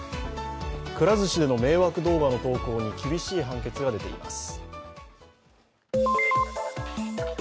くら寿司での迷惑動画の投稿に厳しい判決が出ています。